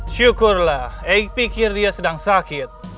syukurlah eik pikir dia sedang sakit